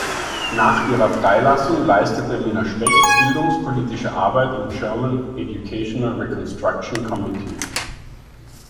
Nach ihrer Freilassung leistete Minna Specht bildungspolitische Arbeit im German Educational Reconstruction Committee.